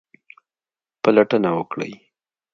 پلټنه وکړئ